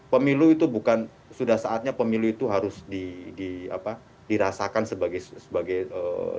pemilu itu bukan sudah saatnya pemilu itu harus di apa dirasakan sebagai sebagai apa